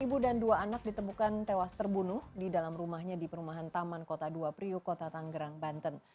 ibu dan dua anak ditemukan tewas terbunuh di dalam rumahnya di perumahan taman kota dua priuk kota tanggerang banten